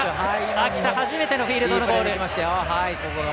秋田、初めてのフィールドのゴール。